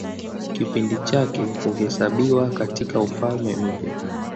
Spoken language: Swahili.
Kipindi chake huhesabiwa katIka Ufalme Mpya.